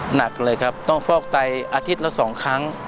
หนักเลยครับต้องฟอกไตอาทิตย์ละ๒ครั้ง